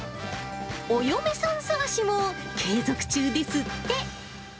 お嫁さん探しも継続中ですって。